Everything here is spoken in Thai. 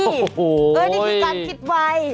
นี่คือการคิดไว